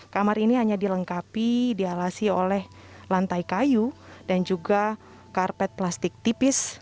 kamar ini hanya dilengkapi dialasi oleh lantai kayu dan juga karpet plastik tipis